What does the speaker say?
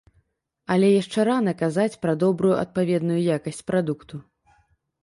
Але яшчэ рана казаць пра добрую адпаведную якасць прадукту.